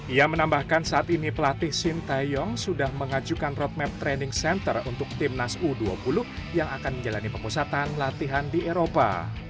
ia menambahkan saat ini pelatih sintayong sudah mengajukan roadmap training center untuk timnas u dua puluh yang akan menjalani pemusatan latihan di eropa